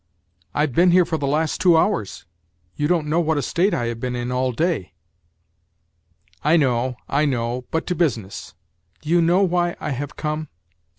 " I've been here for the last two hours ; you don't know what a state I have been in all day." " I know, I know. But to business. Do you know why I have come